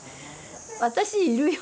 私いるよ。